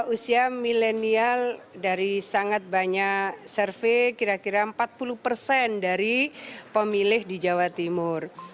usia milenial dari sangat banyak survei kira kira empat puluh persen dari pemilih di jawa timur